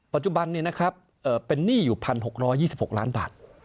ปัจจุบันนี้นะครับเป็นหนี้อยู่๑๖๒๖ล้านบาท